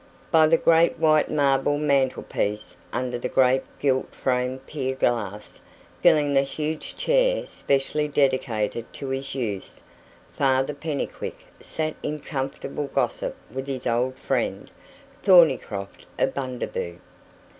By the great white marble mantelpiece, under the great gilt framed pier glass, filling the huge chair specially dedicated to his use, Father Pennycuick sat in comfortable gossip with his old friend, Thornycroft of Bundaboo.